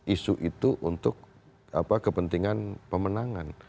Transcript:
isu itu untuk kepentingan pemenangan